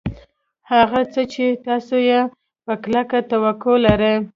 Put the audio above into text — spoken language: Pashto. هغه څه چې تاسې یې په کلکه توقع لرئ